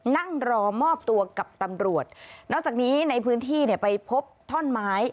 นั่งรอมอบตัวกับตำรวจนอกจากนี้ในพื้นที่เนี่ยไปพบท่อนไม้